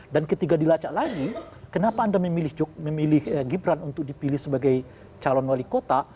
dan ketika dilacak lagi kenapa anda memilih gibran untuk dipilih sebagai calon wali kota